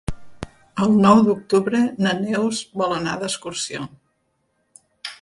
El nou d'octubre na Neus vol anar d'excursió.